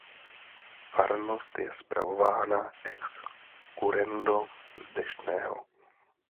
Farnost je spravována ex currendo z Deštného.